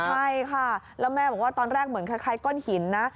ใช่ค่ะแล้วแม่บอกว่าตอนแรกเหมือนคล้ายก้อนหินนะ